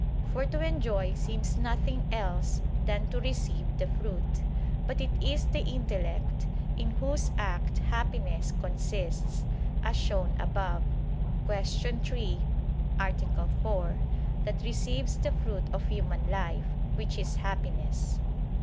For to enjoy seems nothing else than to receive the fruit. But it is the intellect, in whose act Happiness consists, as shown above (Q. 3, A. 4), that receives the fruit of human life, which is Happiness.